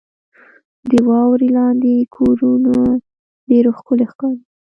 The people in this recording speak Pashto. • د واورې لاندې کورونه ډېر ښکلي ښکاري.